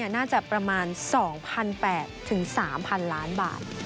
น่าจะประมาณ๒๘๐๐๓๐๐๐ล้านบาท